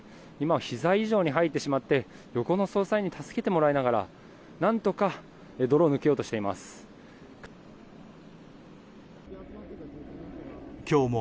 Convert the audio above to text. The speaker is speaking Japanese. ひざ以上に入ってしまって横の捜査員に助けてもらいながら何とか泥を抜けようとしています。